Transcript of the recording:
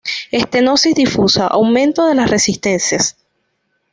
Estenosis difusa: aumento de las resistencias.